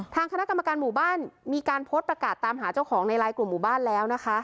ทางคณะกรรมการหมู่บ้านมีการโพสต์ประกาศตามหาเจ้าของในลายกลุ่มหมู่บ้านแล้วนะคะ